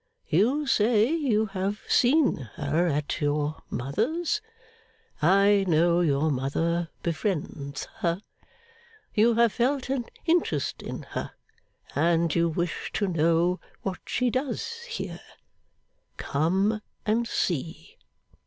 You say you have seen her at your mother's (I know your mother befriends her), you have felt an interest in her, and you wish to know what she does here. Come and see.